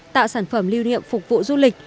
tạo sản phẩm lưu niệm phục vụ du lịch